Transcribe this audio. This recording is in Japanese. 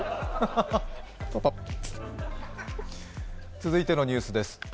続いてのニュースです。